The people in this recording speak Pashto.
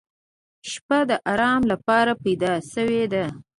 • شپه د آرام لپاره پیدا شوې ده.